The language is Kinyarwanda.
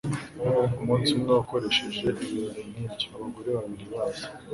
umunsi umwe yakoresheje ibirori nk'ibyo, abagore babiri baza